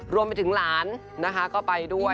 รวมไปถึงหลานนะคะก็ไปด้วย